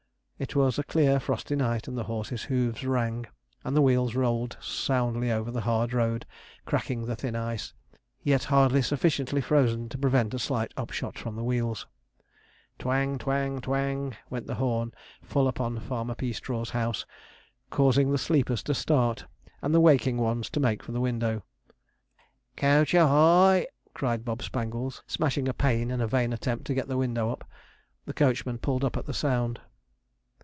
It was a clear frosty night, and the horses' hoofs rang, and the wheels rolled soundly over the hard road, cracking the thin ice, yet hardly sufficiently frozen to prevent a slight upshot from the wheels. [Illustration: MR. BUGLES PREFERS DANCING TO HUNTING] Twang, twang, twang, went the horn full upon Farmer Peastraw's house, causing the sleepers to start, and the waking ones to make for the window. 'COACH A HOY!' cried Bob Spangles, smashing a pane in a vain attempt to get the window up. The coachman pulled up at the sound.